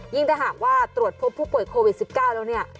ยิ่งแต่ฮะว่าตรวจพบผู้ป่วยโควิด๑๙แล้วเนี่ย